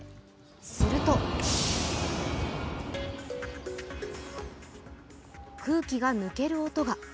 すると空気が抜ける音が。